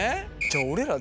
じゃあ俺ら。